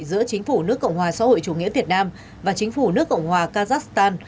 giữa chính phủ nước cộng hòa xã hội chủ nghĩa việt nam và chính phủ nước cộng hòa kazakhstan